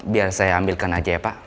biar saya ambilkan aja ya pak